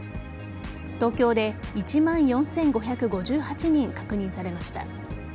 東京で１万４５５８人確認されました。